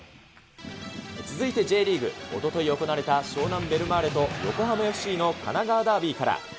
続いてＪリーグ、おととい行われた湘南ベルマーレと横浜ＦＣの神奈川ダービーから。